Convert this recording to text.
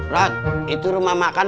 rat itu rumah makan